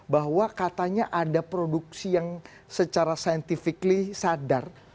bahwa katanya ada produksi yang secara scientifically sadar